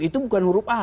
itu bukan huruf a